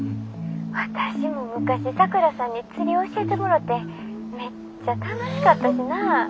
私も昔さくらさんに釣り教えてもろてめっちゃ楽しかったしな。